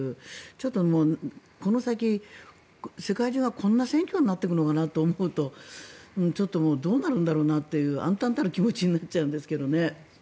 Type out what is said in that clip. ちょっとこの先、世界中がこんな選挙になってくるのかと思うとちょっとどうなるんだろうなという暗たんたる気持ちになるんですがね。